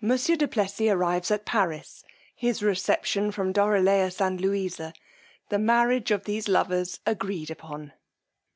Monsieur du Plessis arrives at Paris: his reception from Dorilaus and Louisa: the marriage of these lovers agreed upon.